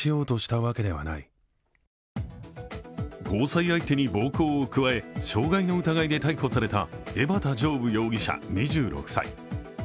交際相手に暴行を加え傷害の疑いで逮捕された江畑丈夫容疑者２６歳。